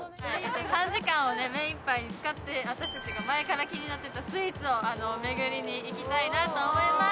３時間を目いっぱい使って私たちが前から気になってたスイーツを巡りに行きたいなと思います。